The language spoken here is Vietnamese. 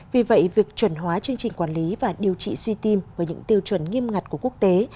vì vậy việc chuẩn hóa chương trình quản lý và điều trị suy tim với những tiêu chuẩn nghiêm ngặt của quốc tế